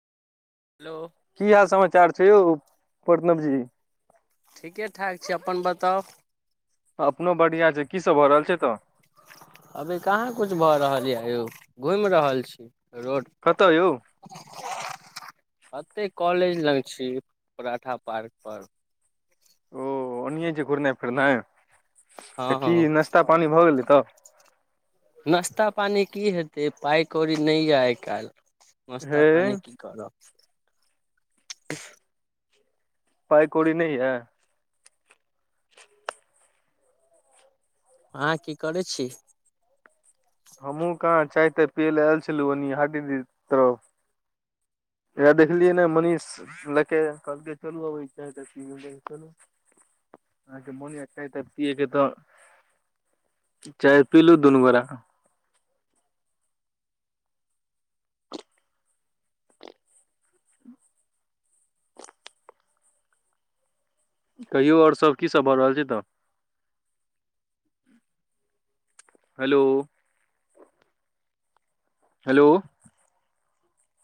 Hello. की हाल समाचार छै यौ प्रणव जी। ठीके ठाक छै, अपन बताउ। अपनो बढ़ियां छै, की सब भऽ रहल छै तऽ। अभी कहाँ कुछ भऽ रहल ये यौ, घुमि रहल छी रोड पर। कतऽ यौ एतै कॉलेज लग छी, पराठा पार्क पर। ओ ओनिए छै घुरनाइ फिरनाइ, हँ तऽ हँ की नास्ता पानी भऽ गेलै तऽ। नास्ता पानी की हेतै, पाइ कौड़ी नहि ये आइ काल्हि। नस्ता हे पानी कि करब। पाइ कोड़ी नै याऽ। अहाँ की करै छी। हमहूं कहाँ, चाय ताय पियै ले आयल छलौ ओनी हाटी डिह तरफ। यैह देखलियै नै मनीष ले के कहलकै चलू अबै छी चाय ताय पियै ले चलू अहाँ के मोन ये चाय ताय पियैके तऽ। चाय पिलौं दुनू गोरा। कहियौ आओर सब की सब भऽ रहल छै तऽ। हेलो। हेलो।